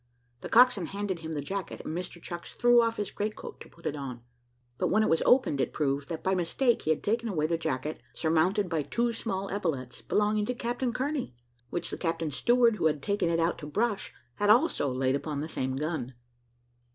The coxswain handed him the jacket, and Mr Chucks threw off his great coat to put it on; but when it was opened, it proved, that by mistake he had taken away the jacket, surmounted by two small epaulets, belonging to Captain Kearney, which the captain's steward, who had taken it out to brush, had also laid upon the same gun.